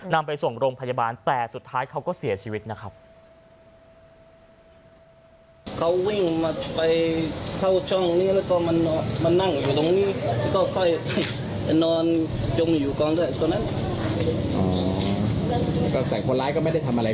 นำไปส่งโรงพยาบาลแต่สุดท้ายเขาก็เสียชีวิตนะครับ